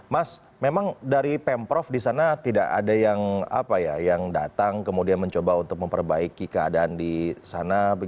mas memang dari pemprov di sana tidak ada yang datang kemudian mencoba untuk memperbaiki keadaan di sana